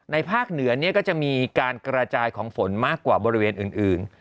ภาคเหนือก็จะมีการกระจายของฝนมากกว่าบริเวณอื่น